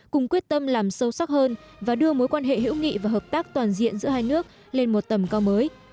cùng quyết tâm làm sâu sắc hơn và đưa mối quan hệ hữu nghị và hợp tác toàn diện giữa hai nước lên một tầm cao mới